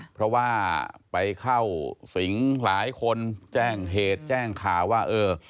เพราะว่าไปเข้าสิงหลายคนแจ้งเหตุแจ้งข่าวว่าเออ